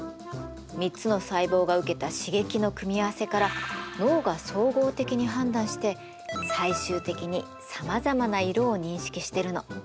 ３つの細胞が受けた刺激の組み合わせから脳が総合的に判断して最終的にさまざまな色を認識してるの。